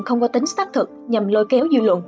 không có tính xác thực nhằm lôi kéo dư luận